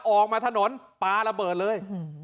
ออกมาถนนปลาระเบิดเลย